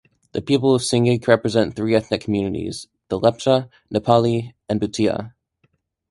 The people of Singhik represent three ethnic communities: the Lepcha, Nepali, and Bhutia.